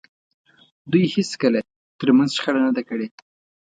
دوی هېڅکله تر منځ شخړه نه ده کړې.